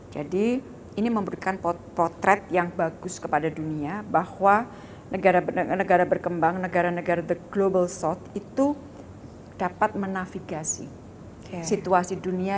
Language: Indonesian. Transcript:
jadi ini memberikan potret yang bagus kepada dunia bahwa negara berkembang negara negara the global south itu dapat menafigasi situasi dunia